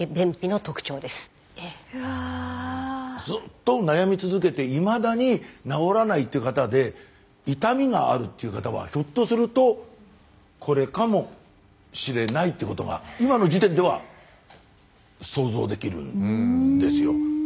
ずっと悩み続けていまだに治らないっていう方で痛みがあるっていう方はひょっとするとこれかもしれないってことが今の時点では想像できるんですよ。